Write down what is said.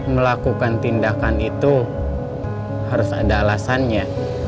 melakukan tindakan itu harus ada alasannya